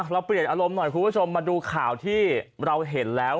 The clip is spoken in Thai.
เราเปลี่ยนอารมณ์หน่อยคุณผู้ชมมาดูข่าวที่เราเห็นแล้ว